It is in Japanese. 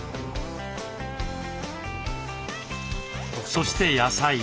そして野菜。